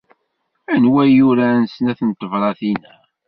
Anwa i yuran snat n tebratin-a?